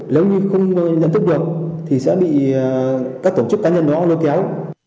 nếu như không nhận thức được thì sẽ bị các tổ chức cá nhân đó lôi kéo